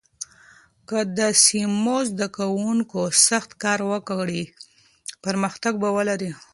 که د سمو زده کوونکو سخت کار وکړي، پرمختګ به ولري.